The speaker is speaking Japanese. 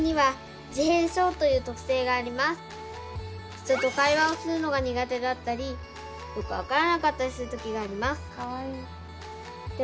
人と会話をするのが苦手だったりよく分からなかったりする時があります。